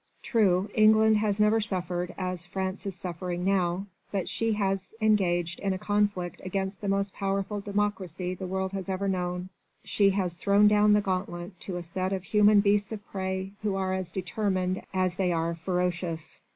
True, England has never suffered as France is suffering now, but she has engaged in a conflict against the most powerful democracy the world has ever known, she has thrown down the gauntlet to a set of human beasts of prey who are as determined as they are ferocious.